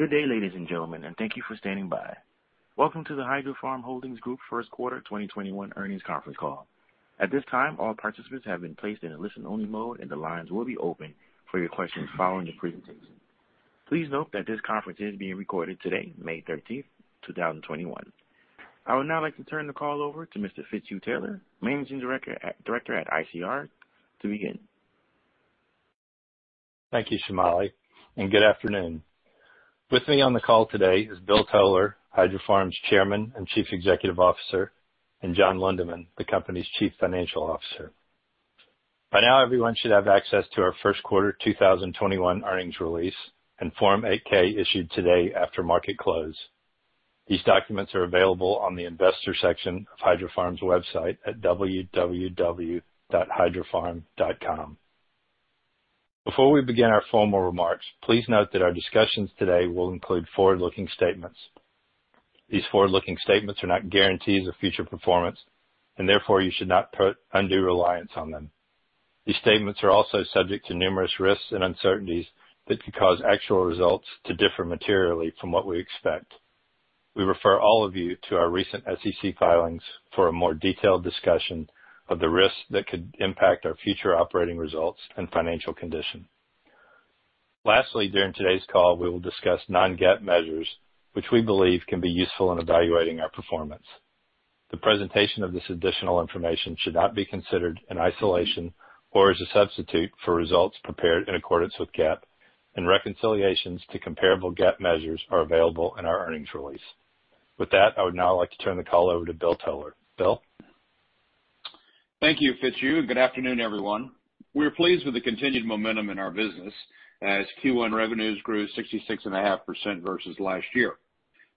Good day ladies and gentlemen. Thank you for standing by. Welcome to the Hydrofarm Holdings Group first quarter 2021 earnings conference call. At this time, all participants have been placed in a listen-only mode, and the lines will be open for your questions following the presentation. Please note that this conference is being recorded today, May 13th, 2021. I would now like to turn the call over to Mr. Fitzhugh Taylor, Managing Director at ICR, to begin. Thank you Shamali, and good afternoon. With me on the call today is Bill Toler, Hydrofarm's Chairman and Chief Executive Officer, and John Lindeman, the company's Chief Financial Officer. By now, everyone should have access to our first quarter 2021 earnings release and Form 8-K issued today after market close. These documents are available on the investor section of Hydrofarm's website at www.hydrofarm.com. Before we begin our formal remarks, please note that our discussions today will include forward-looking statements. These forward-looking statements are not guarantees of future performance, and therefore, you should not put undue reliance on them. These statements are also subject to numerous risks and uncertainties that could cause actual results to differ materially from what we expect. We refer all of you to our recent SEC filings for a more detailed discussion of the risks that could impact our future operating results and financial condition. Lastly, during today's call, we will discuss non-GAAP measures which we believe can be useful in evaluating our performance. The presentation of this additional information should not be considered in isolation or as a substitute for results prepared in accordance with GAAP, and reconciliations to comparable GAAP measures are available in our earnings release. With that, I would now like to turn the call over to Bill Toler. Bill? Thank you Fitzhugh and good afternoon, everyone. We're pleased with the continued momentum in our business as Q1 revenues grew 66.5% versus last year,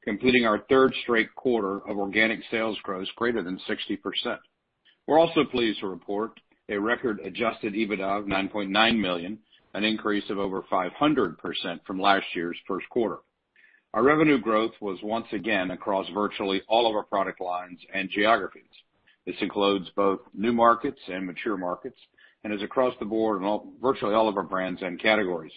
completing our third straight quarter of organic sales growth greater than 60%. We're also pleased to report a record adjusted EBITDA of $9.9 million, an increase of over 500% from last year's first quarter. Our revenue growth was once again across virtually all of our product lines and geographies. This includes both new markets and mature markets and is across the board in virtually all of our brands and categories.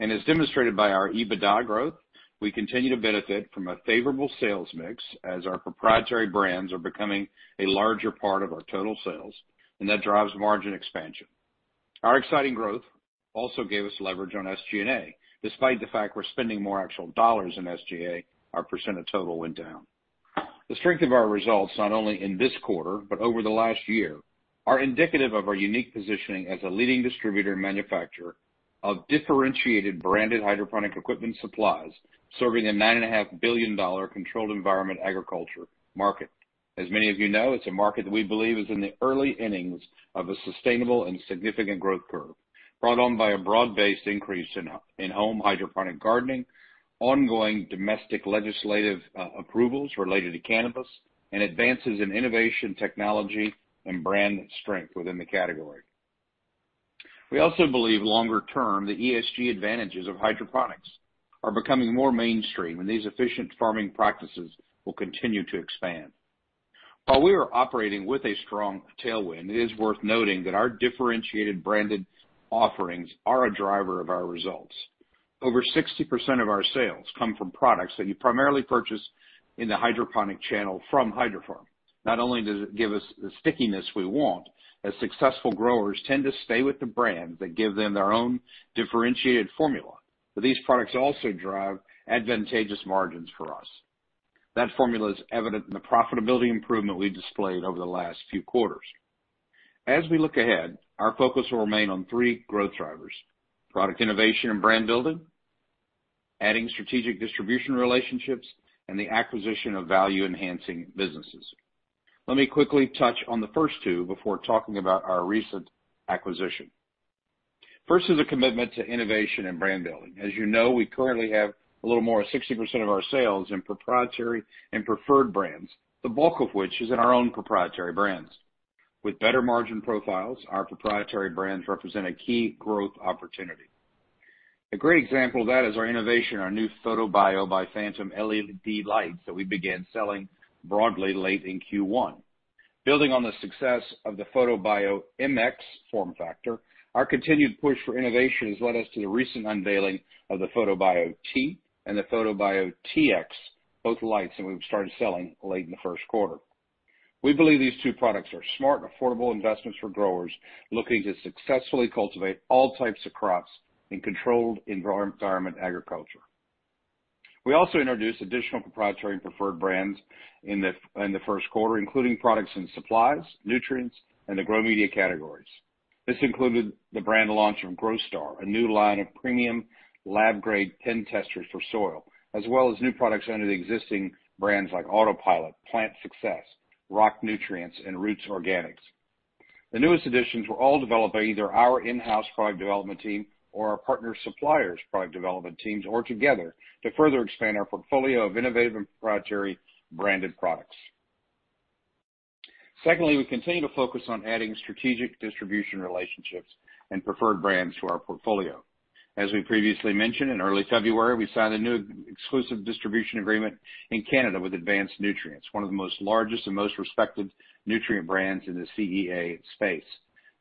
As demonstrated by our EBITDA growth, we continue to benefit from a favorable sales mix as our proprietary brands are becoming a larger part of our total sales, and that drives margin expansion. Our exciting growth also gave us leverage on SG&A. Despite the fact we're spending more actual dollars in SG&A, our percent of total went down. The strength of our results, not only in this quarter, but over last year, are indicative of our unique positioning as a leading distributor and manufacturer of differentiated branded hydroponic equipment supplies, serving a $9.5 billion controlled environment agriculture market. As many of you know, it's a market that we believe is in the early innings of a sustainable and significant growth curve brought on by a broad-based increase in home hydroponic gardening, ongoing domestic legislative approvals related to cannabis, and advances in innovation, technology, and brand strength within the category. We also believe longer term, the ESG advantages of hydroponics are becoming more mainstream, and these efficient farming practices will continue to expand. While we are operating with a strong tailwind, it is worth noting that our differentiated branded offerings are a driver of our results. Over 60% of our sales come from products that you primarily purchase in the hydroponic channel from Hydrofarm. Not only does it give us the stickiness we want, as successful growers tend to stay with the brand that give them their own differentiated formula, but these products also drive advantageous margins for us. That formula is evident in the profitability improvement we've displayed over the last few quarters. As we look ahead, our focus will remain on three growth drivers, product innovation and brand building, adding strategic distribution relationships, and the acquisition of value-enhancing businesses. Let me quickly touch on the first two before talking about our recent acquisition. First is a commitment to innovation and brand building. As you know, we currently have a little more of 60% of our sales in proprietary and preferred brands, the bulk of which is in our own proprietary brands. With better margin profiles, our proprietary brands represent a key growth opportunity. A great example of that is our innovation, our new PHOTOBIO by Phantom LED lights that we began selling broadly late in Q1. Building on the success of the PHOTOBIO MX form factor, our continued push for innovation has led us to the recent unveiling of the PHOTOBIO T and the PHOTOBIO TX, both lights that we've started selling late in the first quarter. We believe these two products are smart and affordable investments for growers looking to successfully cultivate all types of crops in controlled environment agriculture. We also introduced additional proprietary and preferred brands in the first quarter, including products in supplies, nutrients, and the grow media categories. This included the brand launch from GroStar, a new line of premium lab-grade pen testers for soil, as well as new products under the existing brands like Autopilot, Plant Success, Rock Nutrients, and Roots Organics. The newest additions were all developed by either our in-house product development team or our partner suppliers' product development teams, or together, to further expand our portfolio of innovative and proprietary branded products. Secondly, we continue to focus on adding strategic distribution relationships and preferred brands to our portfolio. As we previously mentioned, in early February, we signed a new exclusive distribution agreement in Canada with Advanced Nutrients, one of the most largest and most respected nutrient brands in the CEA space.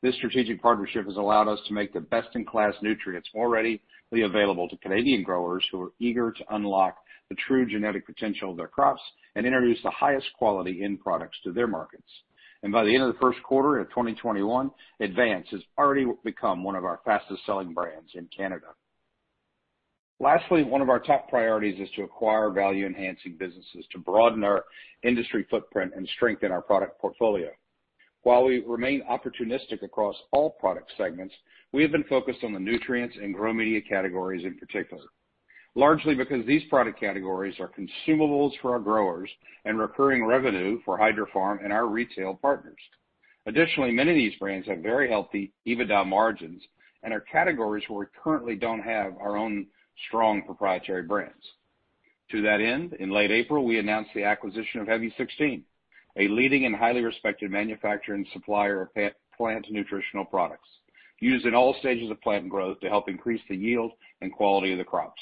This strategic partnership has allowed us to make the best-in-class nutrients already available to Canadian growers who are eager to unlock the true genetic potential of their crops and introduce the highest quality end products to their markets. By the end of the first quarter of 2021, Advanced Nutrients has already become one of our fastest-selling brands in Canada. Lastly, one of our top priorities is to acquire value-enhancing businesses to broaden our industry footprint and strengthen our product portfolio. While we remain opportunistic across all product segments, we have been focused on the nutrients and grow media categories in particular, largely because these product categories are consumables for our growers and recurring revenue for Hydrofarm and our retail partners. Additionally, many of these brands have very healthy EBITDA margins and are categories where we currently don't have our own strong proprietary brands. To that end, in late April we announced the acquisition of HEAVY 16, a leading and highly respected manufacturer and supplier of plant nutritional products used in all stages of plant growth to help increase the yield and quality of the crops.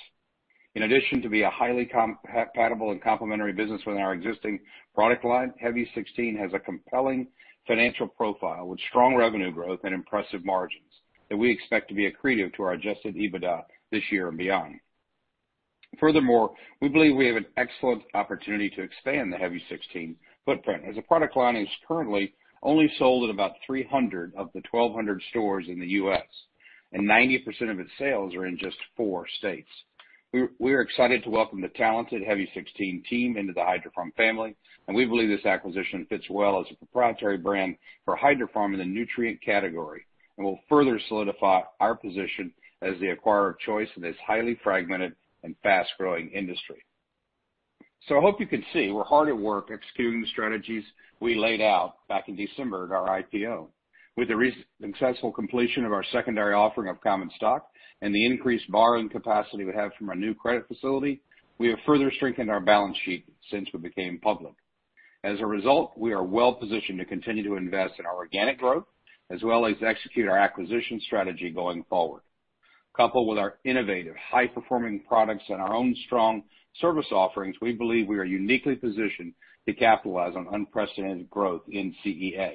In addition to be a highly compatible and complementary business within our existing product line, HEAVY 16 has a compelling financial profile with strong revenue growth and impressive margins that we expect to be accretive to our adjusted EBITDA this year and beyond. Furthermore, we believe we have an excellent opportunity to expand the HEAVY 16 footprint as a product line that is currently only sold at about 300 of the 1,200 stores in the U.S., and 90% of its sales are in just four states. We are excited to welcome the talented HEAVY 16 team into the Hydrofarm family, and we believe this acquisition fits well as a proprietary brand for Hydrofarm in the nutrient category and will further solidify our position as the acquirer of choice in this highly fragmented and fast-growing industry. I hope you can see we're hard at work executing the strategies we laid out back in December at our IPO. With the recent successful completion of our secondary offering of common stock and the increased borrowing capacity we have from our new credit facility, we have further strengthened our balance sheet since we became public. As a result, we are well positioned to continue to invest in our organic growth as well as execute our acquisition strategy going forward. Coupled with our innovative, high-performing products and our own strong service offerings, we believe we are uniquely positioned to capitalize on unprecedented growth in CEA,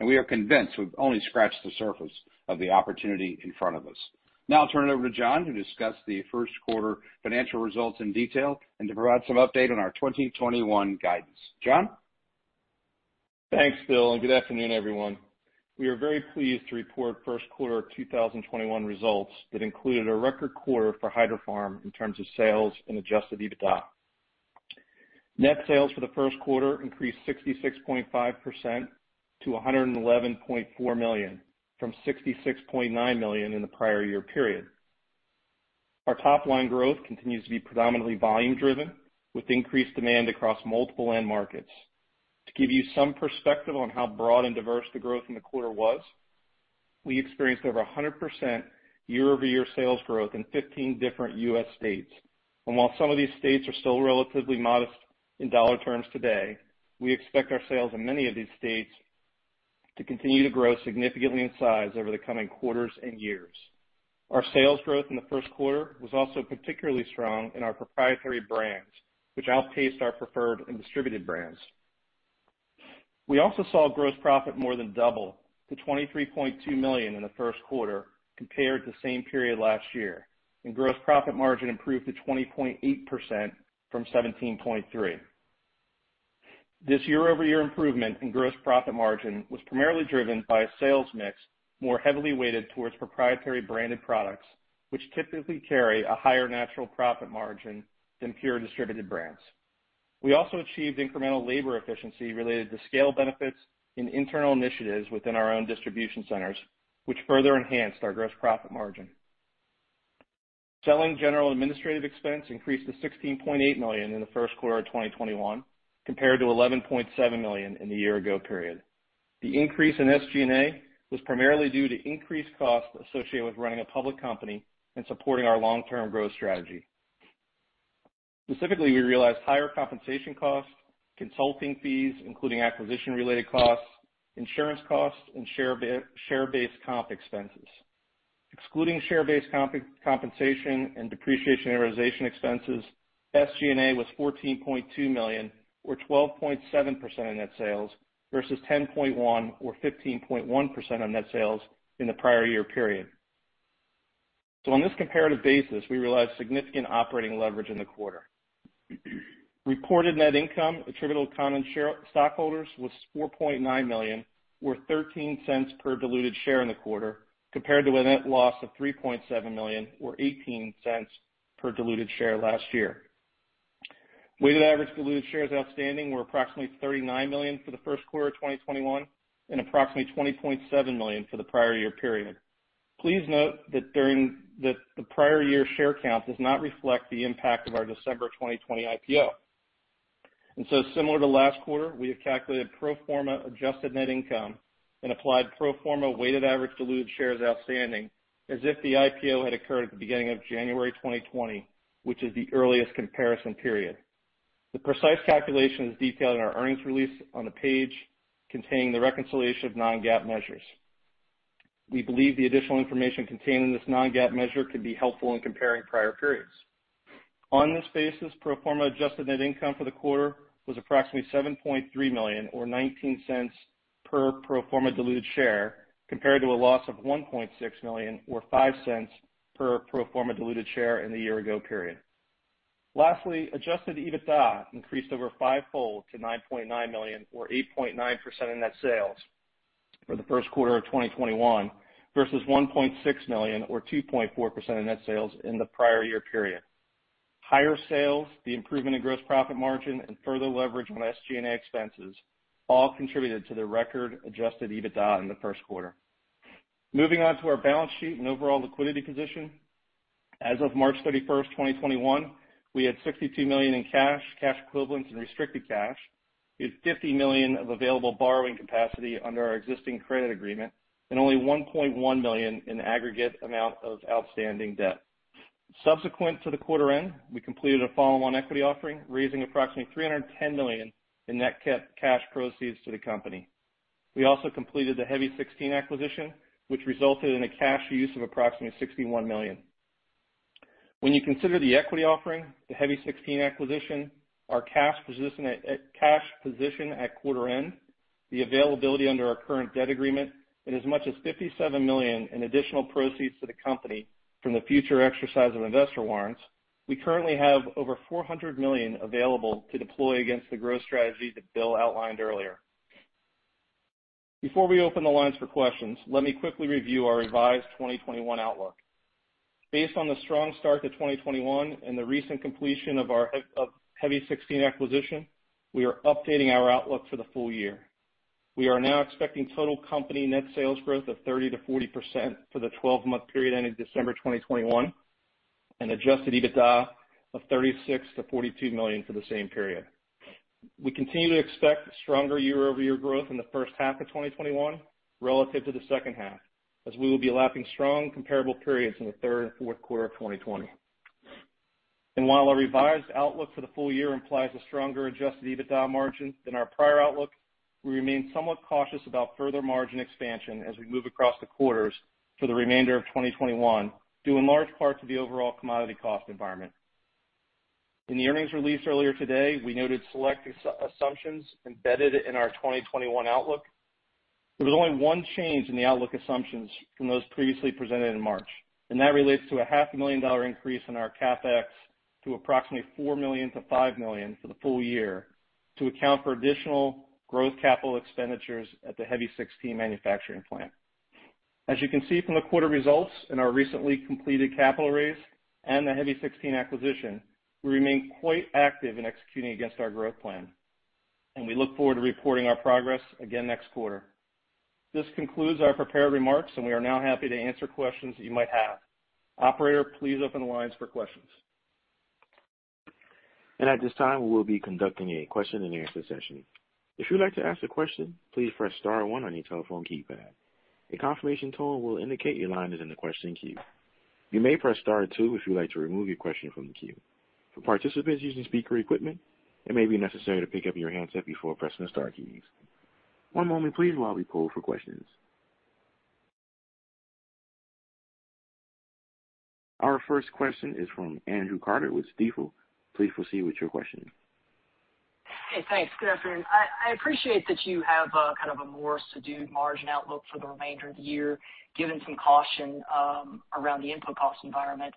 and we are convinced we've only scratched the surface of the opportunity in front of us. Now I'll turn it over to John to discuss the first quarter financial results in detail and to provide some update on our 2021 guidance. John? Thanks Bill. Good afternoon everyone. We are very pleased to report first quarter of 2021 results that included a record quarter for Hydrofarm in terms of sales and adjusted EBITDA. Net sales for the first quarter increased 66.5% to $111.4 million from $66.9 million in the prior year period. Our top-line growth continues to be predominantly volume driven with increased demand across multiple end markets. To give you some perspective on how broad and diverse the growth in the quarter was, we experienced over 100% year-over-year sales growth in 15 different U.S. states. While some of these states are still relatively modest in dollar terms today, we expect our sales in many of these states to continue to grow significantly in size over the coming quarters and years. Our sales growth in the first quarter was also particularly strong in our proprietary brands, which outpaced our preferred and distributed brands. We also saw gross profit more than double to $23.2 million in the first quarter compared to the same period last year, and gross profit margin improved to 20.8% from 17.3%. This year-over-year improvement in gross profit margin was primarily driven by a sales mix more heavily weighted towards proprietary branded products, which typically carry a higher natural profit margin than pure distributed brands. We also achieved incremental labor efficiency related to scale benefits in internal initiatives within our own distribution centers, which further enhanced our gross profit margin. Selling general administrative expense increased to $16.8 million in the first quarter of 2021 compared to $11.7 million in the year ago period. The increase in SG&A was primarily due to increased costs associated with running a public company and supporting our long-term growth strategy. Specifically, we realized higher compensation costs, consulting fees, including acquisition-related costs, insurance costs, and share-based comp expenses. Excluding share-based compensation and depreciation and amortization expenses, SG&A was $14.2 million or 12.7% of net sales versus 10.1% or 15.1% of net sales in the prior year period. On this comparative basis, we realized significant operating leverage in the quarter. Reported net income attributable to common stockholders was $4.9 million or $0.13 per diluted share in the quarter, compared to a net loss of $3.7 million or $0.18 per diluted share last year. Weighted average diluted shares outstanding were approximately $39 million for the first quarter of 2021 and approximately 20.7 million for the prior year period. Please note that during the prior year share count does not reflect the impact of our December 2020 IPO. Similar to last quarter, we have calculated pro forma adjusted net income and applied pro forma weighted average diluted shares outstanding as if the IPO had occurred at the beginning of January 2020, which is the earliest comparison period. The precise calculation is detailed in our earnings release on the page containing the reconciliation of non-GAAP measures. We believe the additional information contained in this non-GAAP measure could be helpful in comparing prior periods. On this basis, pro forma adjusted net income for the quarter was approximately $7.3 million, or $0.19 per pro forma diluted share, compared to a loss of $1.6 million, or $0.05 per pro forma diluted share in the year-ago period. Lastly, Adjusted EBITDA increased over fivefold to $9.9 million, or 8.9% of net sales for the first quarter of 2021 versus $1.6 million, or 2.4% of net sales in the prior year period. Higher sales, the improvement in gross profit margin, and further leverage on SG&A expenses all contributed to the record adjusted EBITDA in the first quarter. Moving on to our balance sheet and overall liquidity position. As of March 31st, 2021, we had $62 million in cash equivalents, and restricted cash. We have $50 million of available borrowing capacity under our existing credit agreement and only $1.1 million in aggregate amount of outstanding debt. Subsequent to the quarter end, we completed a follow-on equity offering, raising approximately $310 million in net cash proceeds to the company. We also completed the HEAVY 16 acquisition, which resulted in a cash use of approximately $61 million. When you consider the equity offering, the HEAVY 16 acquisition, our cash position at quarter end, the availability under our current debt agreement, and as much as $57 million in additional proceeds to the company from the future exercise of investor warrants, we currently have over $400 million available to deploy against the growth strategy that Bill outlined earlier. Before we open the lines for questions, let me quickly review our revised 2021 outlook. Based on the strong start to 2021 and the recent completion of HEAVY 16 acquisition, we are updating our outlook for the full year. We are now expecting total company net sales growth of 30%-40% for the 12-month period ending December 2021, and adjusted EBITDA of $36 million-$42 million for the same period. We continue to expect stronger year-over-year growth in the first half of 2021 relative to the second half, as we will be lapping strong comparable periods in the third and fourth quarter of 2020. While our revised outlook for the full year implies a stronger adjusted EBITDA margin than our prior outlook, we remain somewhat cautious about further margin expansion as we move across the quarters for the remainder of 2021, due in large part to the overall commodity cost environment. In the earnings release earlier today, we noted select assumptions embedded in our 2021 outlook. There was only one change in the outlook assumptions from those previously presented in March, and that relates to a half a million dollar increase in our CapEx to approximately $4 million-$5 million for the full year to account for additional growth capital expenditures at the HEAVY 16 manufacturing plant. As you can see from the quarter results in our recently completed capital raise and the HEAVY 16 acquisition, we remain quite active in executing against our growth plan. We look forward to reporting our progress again next quarter. This concludes our prepared remarks, and we are now happy to answer questions that you might have. Operator, please open the lines for questions. At this time, we will be conducting a question and answer session. If you would like to ask a question, please press star one on your telephone keypad. A confirmation tone will indicate your line is in the question queue. You may press star two if you would like to remove your question from the queue. For participants using speaker equipment, it may be necessary to pick up your handset before pressing the star keys. One moment please while we poll for questions. Our first question is from Andrew Carter with Stifel. Please proceed with your question. Hey thanks. Good afternoon. I appreciate that you have a more subdued margin outlook for the remainder of the year, given some caution around the input cost environment.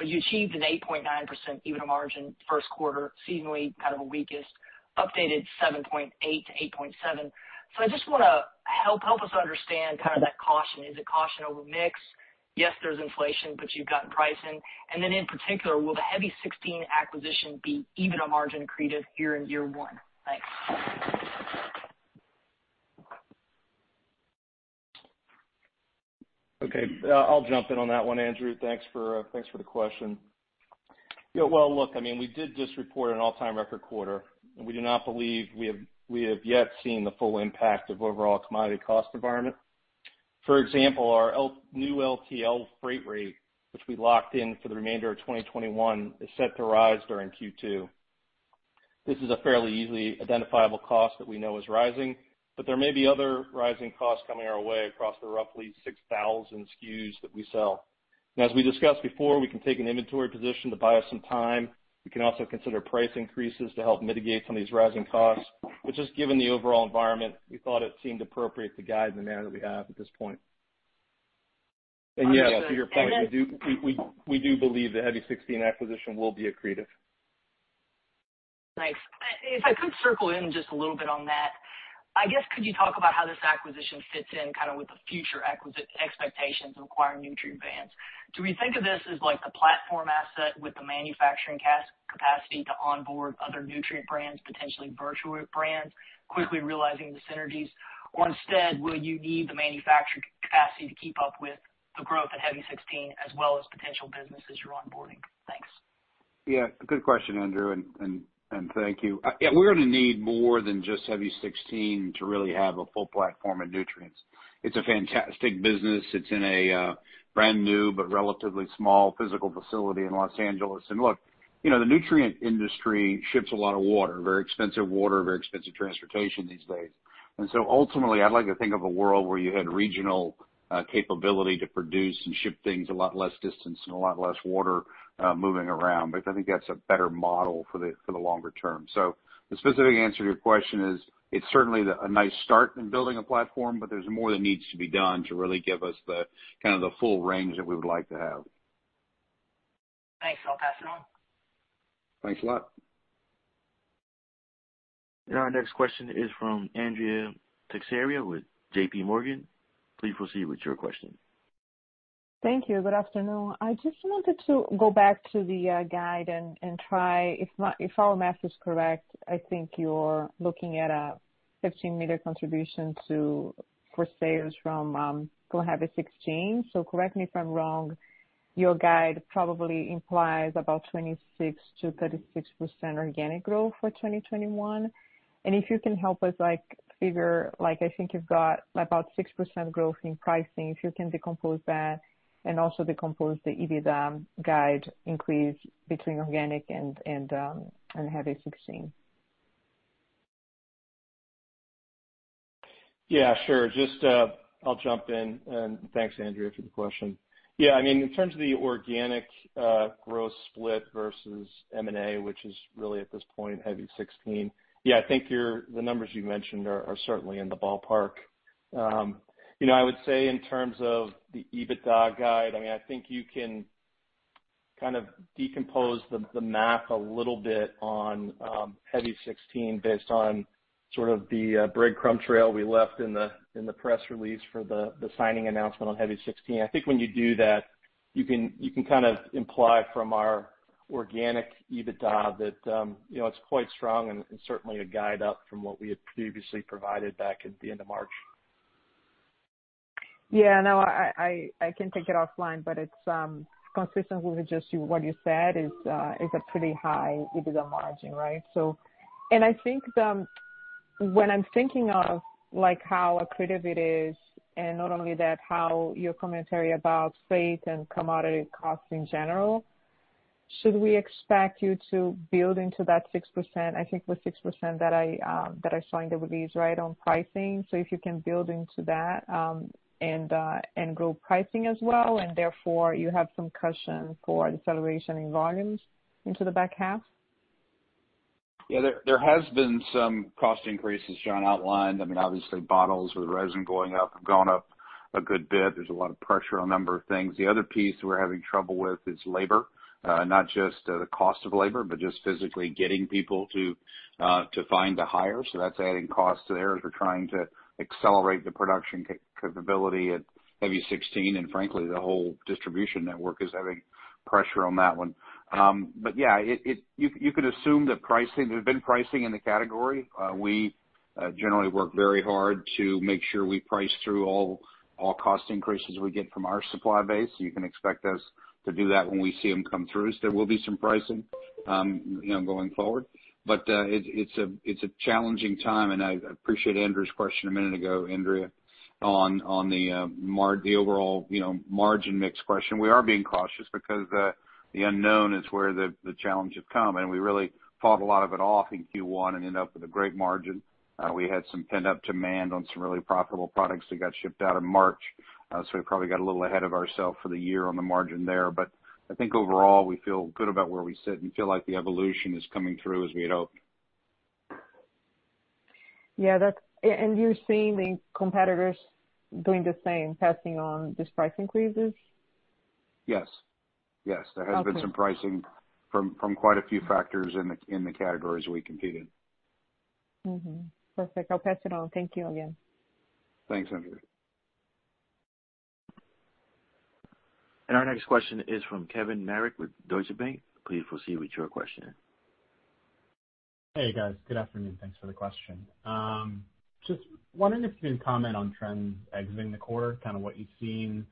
You achieved an 8.9% EBITDA margin first quarter, seasonally out of the weakest, updated 7.8%-8.7%. I just want to help us understand that caution. Is it caution over mix? Yes, there's inflation, but you've gotten pricing. Then in particular, will the HEAVY 16 acquisition be EBITDA margin accretive year in, year one? Thanks. Okay. I'll jump in on that one Andrew. Thanks for the question. Yeah, well, look, we did just report an all-time record quarter, and we do not believe we have yet seen the full impact of overall commodity cost environment. For example, our new LTL freight rate, which we locked in for the remainder of 2021, is set to rise during Q2. This is a fairly easily identifiable cost that we know is rising, but there may be other rising costs coming our way across the roughly 6,000 SKUs that we sell. As we discussed before, we can take an inventory position to buy us some time. We can also consider price increases to help mitigate some of these rising costs, which just given the overall environment, we thought it seemed appropriate to guide the manner that we have at this point. Yeah, to your point, we do believe the HEAVY 16 acquisition will be accretive. Thanks. If I could circle in just a little bit on that, I guess could you talk about how this acquisition fits in with the future expectations of acquiring nutrient brands? Do we think of this as like the platform asset with the manufacturing capacity to onboard other nutrient brands, potentially virtual brands, quickly realizing the synergies? Instead, will you need the manufacturing capacity to keep up with the growth at HEAVY 16 as well as potential businesses you're onboarding? Thanks. Good question Andrew and thank you. We're going to need more than just HEAVY 16 to really have a full platform of nutrients. It's a fantastic business. It's in a brand-new but relatively small physical facility in Los Angeles. Look, the nutrient industry ships a lot of water, very expensive water, very expensive transportation these days. Ultimately, I'd like to think of a world where you had regional capability to produce and ship things a lot less distance and a lot less water moving around. Because I think that's a better model for the longer term. The specific answer to your question is, it's certainly a nice start in building a platform, but there's more that needs to be done to really give us the full range that we would like to have. Thanks. I'll pass it on. Thanks a lot. Our next question is from Andrea Teixeira with JPMorgan. Please proceed with your question. Thank you. Good afternoon. I just wanted to go back to the guide and try, if our math is correct, I think you're looking at a $15 million contribution for sales from HEAVY 16. Correct me if I'm wrong, your guide probably implies about 26%-36% organic growth for 2021. If you can help us figure, I think you've got about 6% growth in pricing, if you can decompose that and also decompose the EBITDA guide increase between organic and HEAVY 16. Yeah, sure. Just, I'll jump in, and thanks Andrea for the question. Yeah, in terms of the organic growth split versus M&A, which is really at this point, HEAVY 16. Yeah, I think the numbers you mentioned are certainly in the ballpark. I would say in terms of the EBITDA guide, I think you can kind of decompose the math a little bit on HEAVY 16 based on sort of the breadcrumb trail we left in the press release for the signing announcement on HEAVY 16. I think when you do that, you can kind of imply from our organic EBITDA that it's quite strong and certainly a guide up from what we had previously provided back at the end of March. No, I can take it offline, but it's consistent with just what you said, is a pretty high EBITDA margin, right? I think when I'm thinking of how accretive it is, and not only that, how your commentary about freight and commodity costs in general, should we expect you to build into that 6%? I think it was 6% that I saw in the release, right, on pricing. If you can build into that, and grow pricing as well, and therefore you have some cushion for deceleration in volumes into the back half. Yeah, there has been some cost increases John outlined. Obviously bottles with resin going up, have gone up a good bit. There's a lot of pressure on a number of things. The other piece we're having trouble with is labor. Not just the cost of labor, but just physically getting people to find to hire. That's adding cost to there as we're trying to accelerate the production capability at HEAVY 16. Frankly, the whole distribution network is having pressure on that one. Yeah, you could assume that there's been pricing in the category. We generally work very hard to make sure we price through all cost increases we get from our supply base. You can expect us to do that when we see them come through. There will be some pricing going forward. It's a challenging time, and I appreciate Andrew's question a minute ago, Andrea on the overall margin mix question. We are being cautious because the unknown is where the challenge has come, and we really fought a lot of it off in Q1 and ended up with a great margin. We had some pent-up demand on some really profitable products that got shipped out in March. We probably got a little ahead of ourselves for the year on the margin there. I think overall, we feel good about where we sit and feel like the evolution is coming through as we had hoped. Yeah. You're seeing the competitors doing the same, passing on these price increases? Yes. There has been some pricing from quite a few factors in the categories we compete in. Perfect. I'll pass it on. Thank you again. Thanks Andrea. Our next question is from Kevin Marek with Deutsche Bank. Please proceed with your question. Hey guys. Good afternoon. Thanks for the question. Just wondering if you can comment on trends exiting the quarter, kind of what you've seen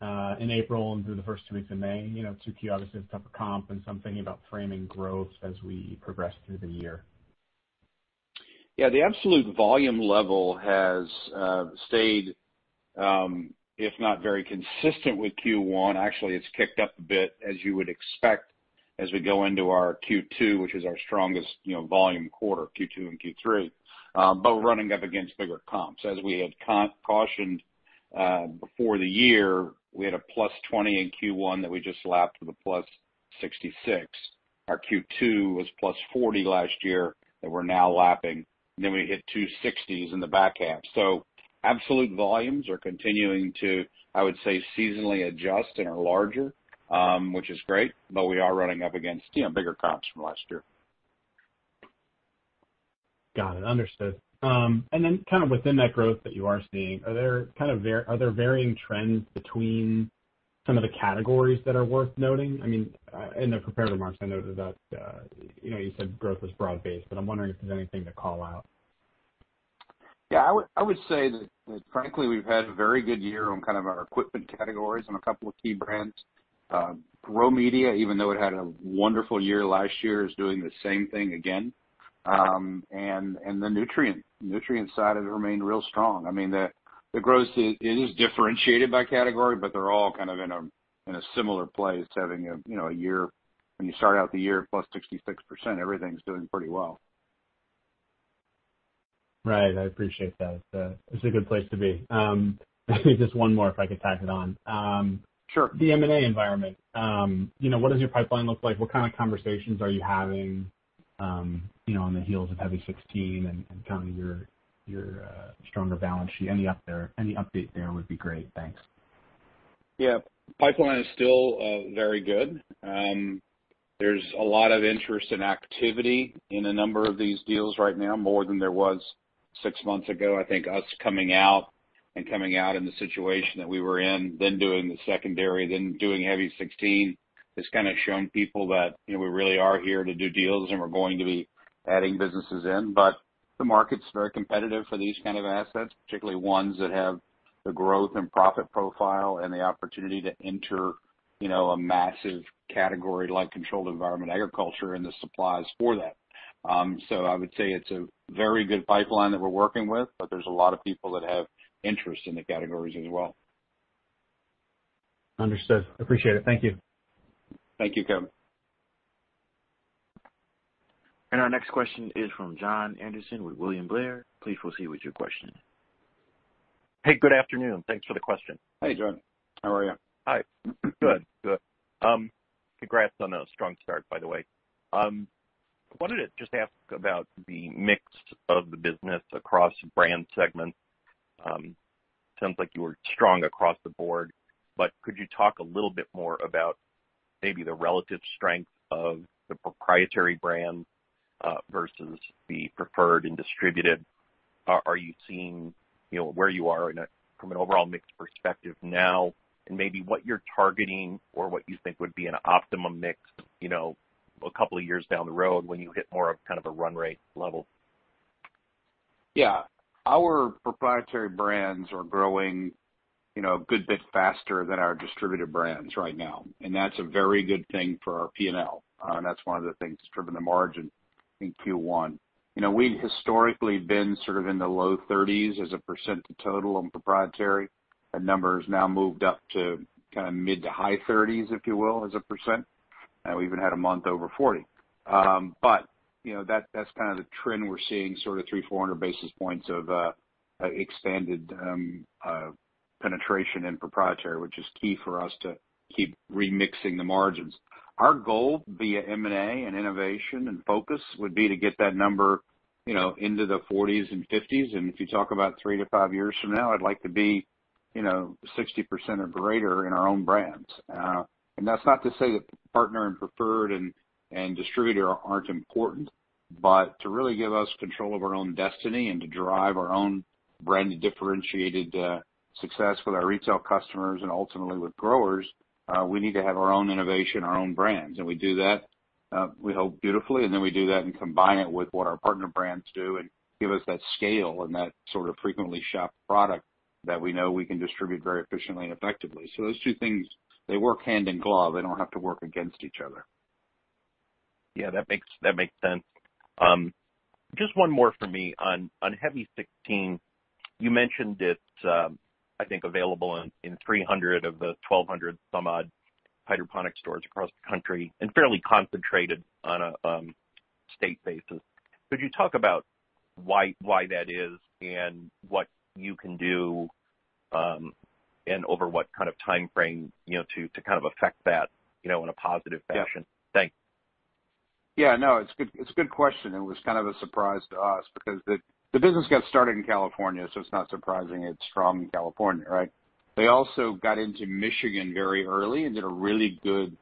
in April and through the first two weeks of May, Q2 obviously is tougher comp. I'm thinking about framing growth as we progress through the year. The absolute volume level has stayed, if not very consistent with Q1. Actually, it's kicked up a bit as you would expect as we go into our Q2, which is our strongest volume quarter, Q2 and Q3, both running up against bigger comps. As we had cautioned before the year, we had a +20% in Q1 that we just lapped with a +66%. Our Q2 was +40% last year that we're now lapping, and then we hit 2-60s in the back half. Absolute volumes are continuing to, I would say, seasonally adjust and are larger, which is great, but we are running up against bigger comps from last year. Got it. Understood. Kind of within that growth that you are seeing, are there varying trends between some of the categories that are worth noting? In the prepared remarks, I noted that you said growth was broad-based, I'm wondering if there's anything to call out. Yeah, I would say that frankly, we've had a very good year on our equipment categories on a couple of key brands. Grow Media, even though it had a wonderful year last year, is doing the same thing again. The nutrient side has remained real strong. The growth is differentiated by category, but they're all in a similar place having a year, when you start out the year plus 66%, everything's doing pretty well. Right. I appreciate that. That's a good place to be. Just one more, if I could tack it on. Sure. The M&A environment. What does your pipeline look like? What kind of conversations are you having on the heels of HEAVY 16 and your stronger balance sheet? Any update there would be great. Thanks. Yeah. Pipeline is still very good. There's a lot of interest and activity in a number of these deals right now, more than there was six months ago. I think us coming out and coming out in the situation that we were in, then doing the secondary, then doing HEAVY 16, has shown people that we really are here to do deals, and we're going to be adding businesses in. The market's very competitive for these kind of assets, particularly ones that have the growth and profit profile and the opportunity to enter a massive category like controlled environment agriculture and the supplies for that. I would say it's a very good pipeline that we're working with, but there's a lot of people that have interest in the categories as well. Understood. Appreciate it. Thank you. Thank you Kevin. Our next question is from Jon Andersen with William Blair. Please proceed with your question. Hey good afternoon. Thanks for the question. Hey Jon. How are you? Hi. Good. Congrats on a strong start, by the way. I wanted to just ask about the mix of the business across brand segments. Sounds like you were strong across the board, but could you talk a little bit more about maybe the relative strength of the proprietary brands, versus the preferred and distributed? Are you seeing where you are from an overall mix perspective now and maybe what you're targeting or what you think would be an optimum mix a couple of years down the road when you hit more of a run rate level? Our proprietary brands are growing a good bit faster than our distributor brands right now, and that's a very good thing for our P&L. That's one of the things driving the margin in Q1. We've historically been sort of in the low 30s as a % of total and proprietary. That number has now moved up to mid to high 30s, if you will, as a %. We even had a month over 40. That's the trend we're seeing, sort of 300 basis points, 400 basis points of expanded penetration in proprietary, which is key for us to keep remixing the margins. Our goal via M&A and innovation and focus would be to get that number into the 40s and 50s. If you talk about three to five years from now, I'd like to be 60% or greater in our own brands. That's not to say that partner and preferred and distributor aren't important, but to really give us control of our own destiny and to drive our own brand and differentiated success with our retail customers and ultimately with growers, we need to have our own innovation, our own brands. We do that, we hope beautifully, and then we do that and combine it with what our partner brands do and give us that scale and that sort of frequently shopped product that we know we can distribute very efficiently, effectively. Those two things, they work hand in glove. They don't have to work against each other. Yeah, that makes sense. Just one more for me. On HEAVY 16, you mentioned it's, I think, available in 300 of the 1,200 some odd hydroponic stores across the country and fairly concentrated on a state basis. Could you talk about why that is and what you can do, and over what kind of timeframe, to affect that in a positive fashion? Yeah. Thanks. Yeah, no, it's a good question. It was kind of a surprise to us because the business got started in California, so it's not surprising it's strong in California, right? They also got into Michigan very early and did a really good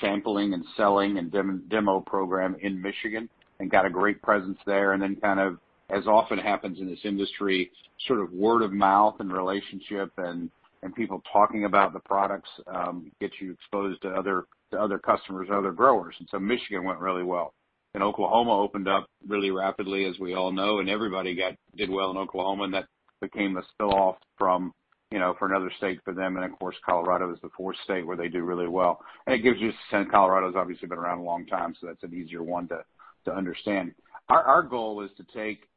sampling and selling and demo program in Michigan and got a great presence there, and then as often happens in this industry, sort of word of mouth and relationship and people talking about the products, gets you exposed to other customers, other growers. Michigan went really well. Oklahoma opened up really rapidly, as we all know, and everybody did well in Oklahoma, and that became a spill off for another state for them. Of course, Colorado is the fourth state where they do really well. That gives you a sense. Colorado's obviously been around a long time, so that's an easier one to understand. Our goal is to take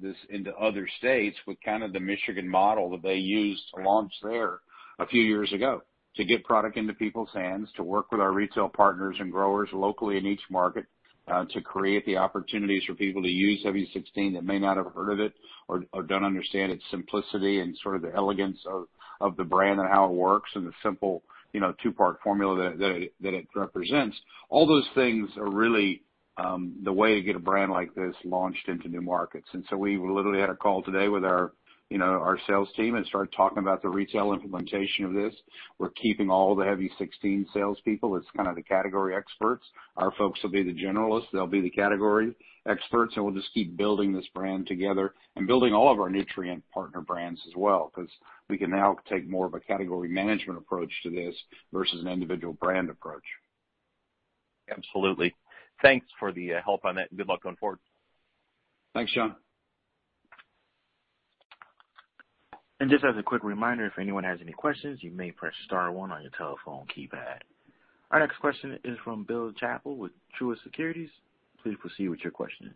this into other states with the Michigan model that they used to launch there a few years ago, to get product into people's hands, to work with our retail partners and growers locally in each market, to create the opportunities for people to use HEAVY 16 that may not have heard of it or don't understand its simplicity and sort of the elegance of the brand and how it works and the simple two-part formula that it represents. All those things are really the way to get a brand like this launched into new markets. We literally had a call today with our sales team and started talking about the retail implementation of this. We're keeping all the HEAVY 16 salespeople as kind of the category experts. Our folks will be the generalists, they'll be the category experts, and we'll just keep building this brand together and building all of our nutrient partner brands as well, because we can now take more of a category management approach to this versus an individual brand approach. Absolutely. Thanks for the help on that, and good luck going forward. Thanks Jon. Just as a quick reminder, if anyone has any questions, you may press star one on your telephone keypad. Our next question is from Bill Chappell with Truist Securities. Please proceed with your questioning.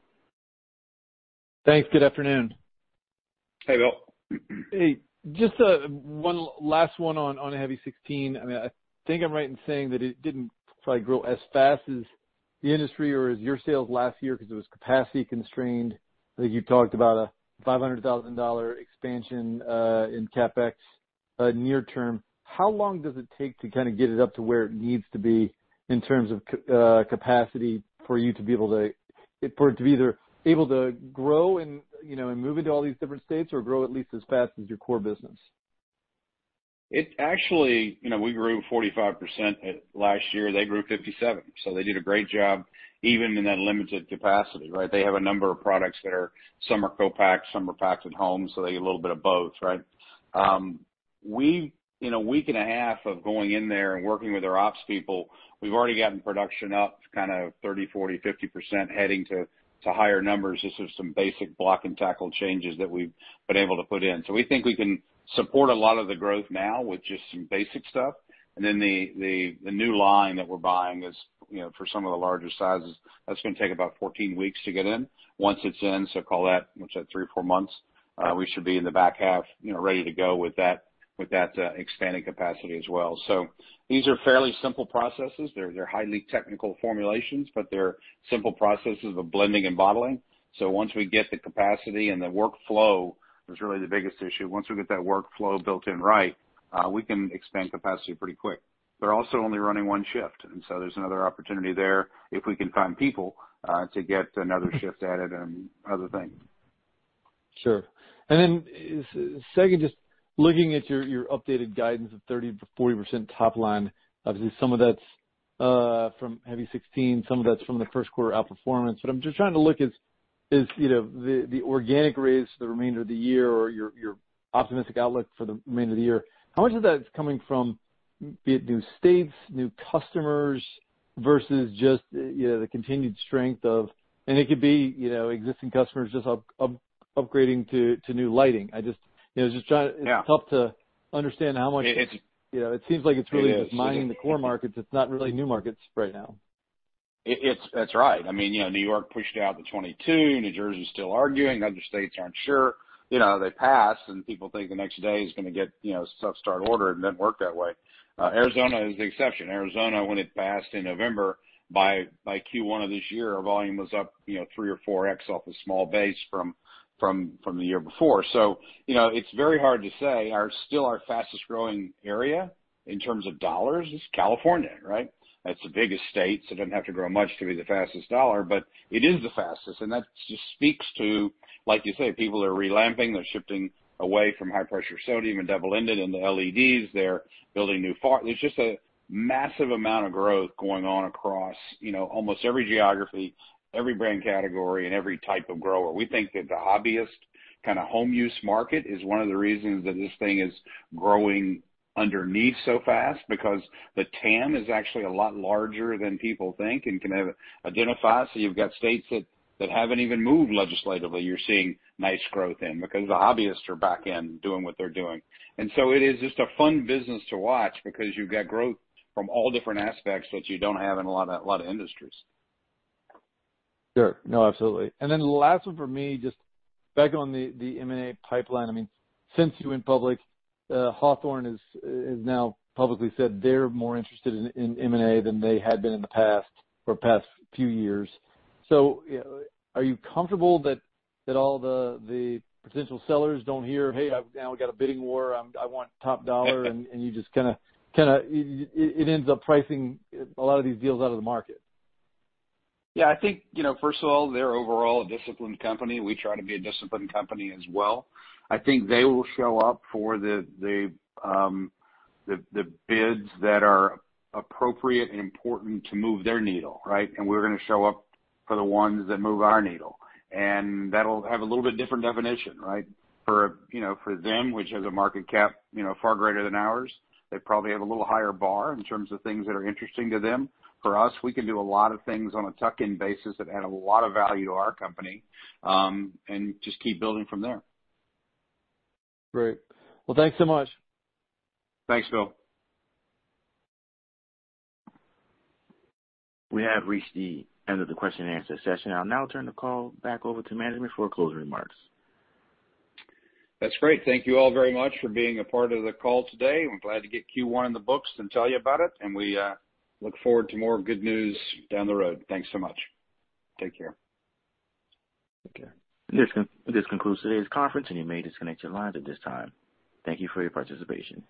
Thanks. Good afternoon. Hey Bill. Hey, just one last one on HEAVY 16. I think I'm right in saying that it didn't probably grow as fast as the industry or as your sales last year because it was capacity constrained. I think you talked about a $500,000 expansion in CapEx near term. How long does it take to kind of get it up to where it needs to be in terms of capacity for it to be either able to grow and move into all these different states or grow at least as fast as your core business? Actually, we grew 45% last year. They grew 57%. They did a great job even in that limited capacity, right? They have a number of products that some are co-packed, some are packed at home. They get a little bit of both, right? In a week and a half of going in there and working with their ops people, we've already gotten production up kind of 30%, 40%, 50% heading to higher numbers. This is some basic block-and-tackle changes that we've been able to put in. We think we can support a lot of the growth now with just some basic stuff. The new line that we're buying is for some of the larger sizes. That's going to take about 14 weeks to get in. Once it's in, so call that three or four months, we should be in the back half, ready to go with that expanding capacity as well. These are fairly simple processes. They're highly technical formulations, but they're simple processes of blending and bottling. Once we get the capacity and the workflow, that's really the biggest issue. Once we get that workflow built in right, we can expand capacity pretty quick. They're also only running one shift, and so there's another opportunity there if we can find people to get another shift added and other things. Sure. Second, just looking at your updated guidance of 30%-40% top line. Obviously, some of that's from HEAVY 16, some of that's from the first quarter outperformance. I'm just trying to look is, the organic rates for the remainder of the year or your optimistic outlook for the remainder of the year, how much of that is coming from, be it new states, new customers, versus just the continued strength of And it could be existing customers just upgrading to new lighting. Yeah. It's tough to understand how much- It is. It seems like it's really just mining the core markets. It's not really new markets right now. That's right. New York pushed out to 2022. New Jersey is still arguing. Other states aren't sure. They pass, people think the next day is going to get stuff started ordered. It doesn't work that way. Arizona is the exception. Arizona, when it passed in November, by Q1 of this year, our volume was up 3x or 4x off a small base from the year before. It's very hard to say. Still our fastest-growing area in terms of dollars is California, right? That's the biggest state, it doesn't have to grow much to be the fastest dollar. It is the fastest, that just speaks to, like you say, people are re-lamping. They're shifting away from high-pressure sodium and double-ended into LEDs. There's just a massive amount of growth going on across almost every geography, every brand category and every type of grower. We think that the hobbyist kind of home use market is one of the reasons that this thing is growing underneath so fast because the TAM is actually a lot larger than people think and can identify. You've got states that haven't even moved legislatively you're seeing nice growth in because the hobbyists are back in doing what they're doing. It is just a fun business to watch because you've got growth from all different aspects that you don't have in a lot of industries. Sure. No, absolutely. The last one for me, just back on the M&A pipeline. Since you went public, Hawthorne has now publicly said they're more interested in M&A than they had been in the past or past few years. Are you comfortable that all the potential sellers don't hear, "Hey, now we've got a bidding war. I want top dollar." It ends up pricing a lot of these deals out of the market? Yeah. I think, first of all, they're overall a disciplined company. We try to be a disciplined company as well. I think they will show up for the bids that are appropriate and important to move their needle, right? We're going to show up for the ones that move our needle, and that'll have a little bit different definition, right? For them, which has a market cap far greater than ours, they probably have a little higher bar in terms of things that are interesting to them. For us, we can do a lot of things on a tuck-in basis that add a lot of value to our company, and just keep building from there. Great. Well, thanks so much. Thanks Bill. We have reached the end of the question and answer session. I'll now turn the call back over to management for closing remarks. That's great. Thank you all very much for being a part of the call today. I'm glad to get Q1 in the books and tell you about it, and we look forward to more good news down the road. Thanks so much. Take care. Take care. This concludes today's conference, and you may disconnect your lines at this time. Thank you for your participation.